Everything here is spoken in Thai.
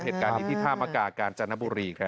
เหตุการณ์ที่ท่ามอากาศการจรรย์นบุรีครับ